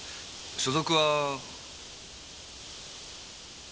所属は。